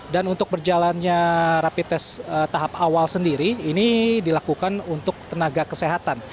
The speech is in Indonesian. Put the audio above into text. dan untuk berjalannya rapid test tahap awal sendiri ini dilakukan untuk tenaga kesehatan